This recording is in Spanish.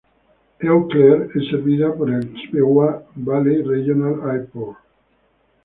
Eau Claire es servida por el Chippewa Valley Regional Airport.